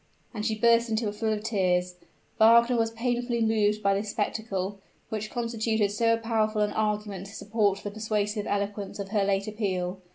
And she burst into a flood of tears. Wagner was painfully moved by this spectacle, which constituted so powerful an argument to support the persuasive eloquence of her late appeal.